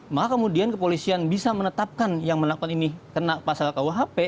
maka kemudian kepolisian bisa menetapkan yang melakukan ini kena pasal kuhp